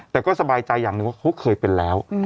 แต่ก็สบายใจอย่างหนึ่งว่าเขาเคยเป็นแล้ว